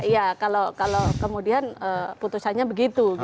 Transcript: ya kalau kemudian putusannya begitu